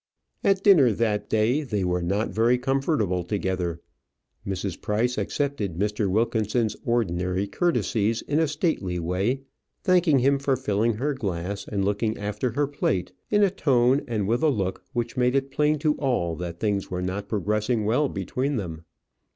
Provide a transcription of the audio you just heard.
At dinner that day they were not very comfortable together. Mrs. Price accepted Mr. Wilkinson's ordinary courtesies in a stately way, thanking him for filling her glass and looking after her plate, in a tone and with a look which made it plain to all that things were not progressing well between them.